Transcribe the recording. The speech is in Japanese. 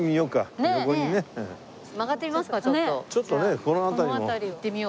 ちょっとねこの辺りも。